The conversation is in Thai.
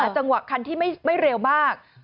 ถามฯหนุ่ะะคันที่ไม่เรวมาก